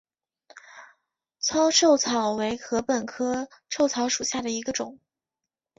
糙臭草为禾本科臭草属下的一个种。